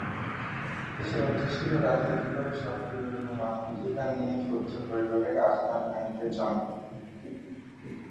সমৃদ্ধশালী ও রাজনৈতিকভাবে সক্রিয় এবং মানবাধিকার নিয়ে সোচ্চার পরিবারে আসমা জাহাঙ্গীরের জন্ম।